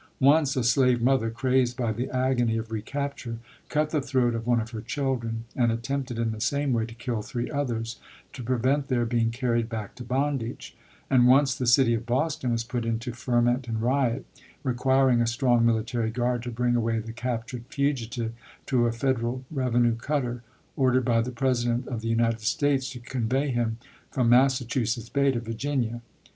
Once a slave mother, crazed by the agony of recapture, cut the throat of one of her children and attempted in the same way to kill three others to prevent their being carried back to bondage ; and once the city of Boston was put into ferment and riot, requiring a strong military guard to bring away the captured fugitive to a Federal revenue cutter, ordered by the President of the United States to convey him from Massachusetts Bay to Virginia.